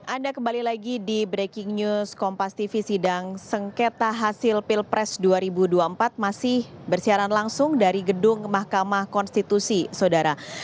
anda kembali lagi di breaking news kompas tv sidang sengketa hasil pilpres dua ribu dua puluh empat masih bersiaran langsung dari gedung mahkamah konstitusi saudara